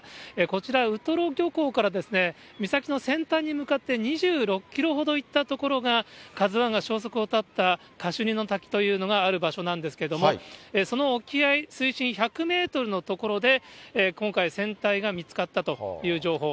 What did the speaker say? こちら、ウトロ漁港から岬の先端に向かって、２６キロほど行った所が、カズワンが消息を絶ったカシュニの滝というのがある場所なんですけども、その沖合水深１００メートルの所で、今回、船体が見つかったという情報。